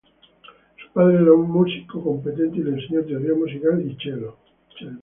Su padre era un músico competente y le enseñó teoría musical y cello.